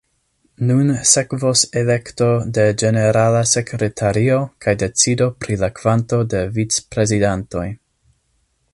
Nun sekvos elekto de ĝenerala sekretario kaj decido pri la kvanto de vicprezidantoj.